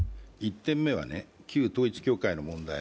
１点目は旧統一教会の問題。